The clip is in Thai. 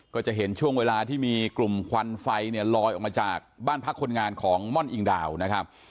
ก็จะเห็นช่วงเวลาที่มีกลุ่มควันไฟเนี่ยลอยออกมาจากบ้านพักคนงานของม่อนอิงดาวนะครับ